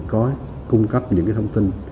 có cung cấp những thông tin